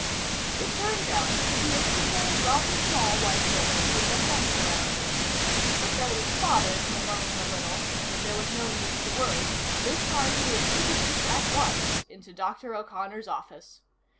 It turned out to be a single, rather small white building with a fence around it. The fence bothered Malone a little, but there was no need to worry; this time he was introduced at once into Dr. O'Connor's office.